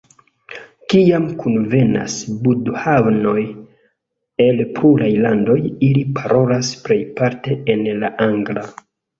Kiam kunvenas budhanoj el pluraj landoj, ili parolas plejparte en la angla.